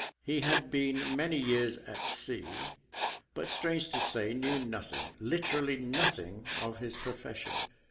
He had been many years at sea; but strange to say, knew nothing, literally nothing, of his profession.